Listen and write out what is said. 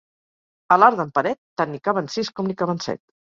A l'art d'en Peret, tant n'hi caben sis com n'hi caben set.